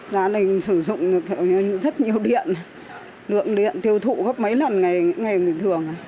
gia đình sử dụng rất nhiều điện lượng điện tiêu thụ gấp mấy lần ngày bình thường